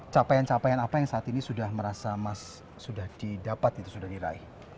capaian capaian apa yang saat ini sudah merasa mas sudah didapat itu sudah diraih